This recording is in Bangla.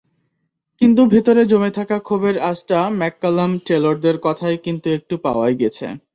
কিন্তু ভেতরে জমে থাকা ক্ষোভের আঁচটা ম্যাককালাম-টেলরদের কথায় কিন্তু একটু পাওয়াই গেছে।